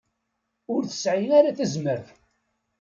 Ur tesɛi ara tazmert.